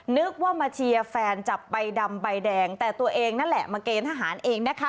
นึกว่ามาเชียร์แฟนจับใบดำใบแดงแต่ตัวเองนั่นแหละมาเกณฑ์ทหารเองนะคะ